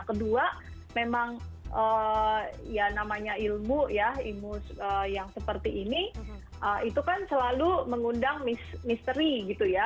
kedua memang ilmu yang seperti ini itu kan selalu mengundang misteri gitu ya